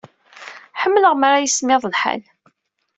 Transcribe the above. Ḥemmleɣ mi ara yismiḍ lḥal.